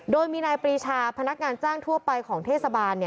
โดยมีนายปรีชาพนักงานจ้างทั่วไปของเทศบาล